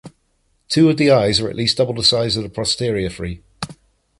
Two of the eyes are at least double the size of the posterior three.